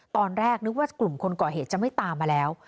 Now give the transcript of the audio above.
ตอนแรกนึกว่ากลุ่มคนก่อเหตุจะไม่ตามมาแล้ว